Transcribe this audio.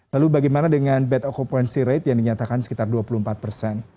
lalu bagaimana dengan bad occupancy rate yang dinyatakan sekitar dua puluh empat persen